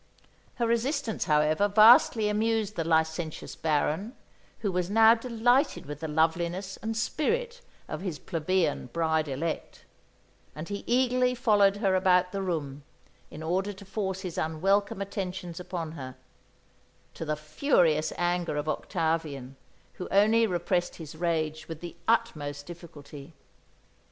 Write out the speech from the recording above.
Her resistance, however, vastly amused the licentious Baron, who was now delighted with the loveliness and spirit of his plebeian bride elect; and he eagerly followed her about the room, in order to force his unwelcome attentions upon her to the furious anger of Octavian, who only repressed his rage with the utmost difficulty.